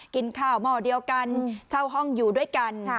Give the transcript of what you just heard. กินข้าวหม้อเดียวกันเช่าห้องอยู่ด้วยกัน